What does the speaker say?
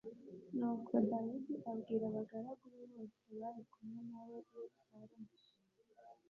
Nuko Dawidi abwira abagaragu be bose bari kumwe na we i Yerusalemu